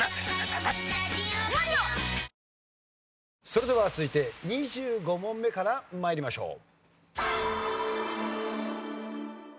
それでは続いて２５問目から参りましょう。